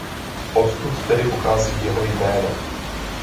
Odtud tedy pochází jeho jméno.